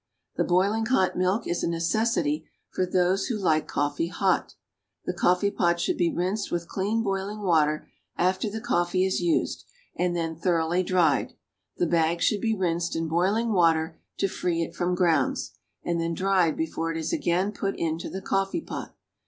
The boiling hot milk is a necessity for those who like coffee hot. The coffee pot should be rinsed with clean boiling water after the coffee is used, and then thoroughly dried; the bag should be rinsed in boiling water to free it from grounds, and then dried before it is again put into the coffee pot.